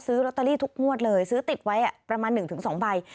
ลอตเตอรี่ทุกงวดเลยซื้อติดไว้ประมาณ๑๒ใบ